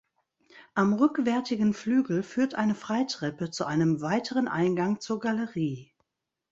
Am rückwärtigen Flügel führt eine Freitreppe zu einem weiteren Eingang zur Galerie.